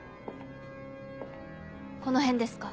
この辺ですか？